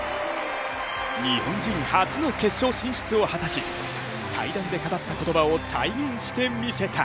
日本人初の決勝進出を果たし、対談で語った言葉を体現して見せた。